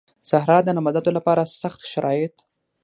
صحرا د نباتاتو لپاره سخت شرايط